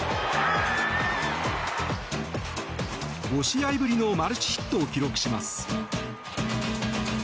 ５試合ぶりのマルチヒットを記録します。